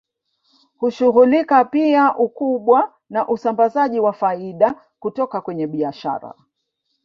Hushughulika pia ukubwa na usambazaji wa faida kutoka kwenye biashara